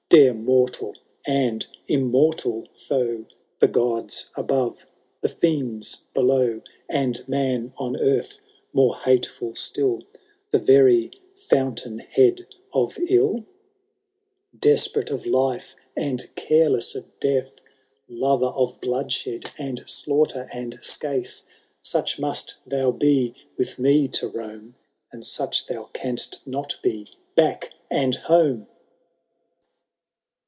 Dare mortal and immortal foe. The gods above, the fiends below. And man on eartli, more hateful still, The very fountain head of ill ? 128 HAROLD THB DAUNTLESS. CatUo I, Desperate of life, and careless of death, Lover of bloodshed, and slaughter, and scathe. Such must thou be with me to roam, And such thou canst not be— back, and home